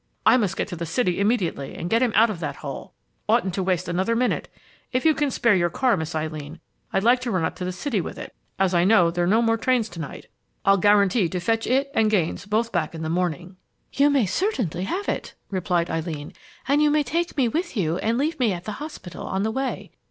_ I must get to the city immediately and get him out of that hole. Oughtn't to waste another minute. If you can spare your car, Miss Eileen, I'd like to run up to the city with it, as I know there are no more trains to night. I'll guarantee to fetch it and Gaines both back in the morning!" "You certainly may have it," replied Eileen, "and you may take me with you and leave me at the hospital, on the way.